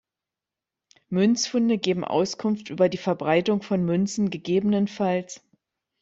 Münzfunde geben Auskunft über die Verbreitung von Münzen, ggf.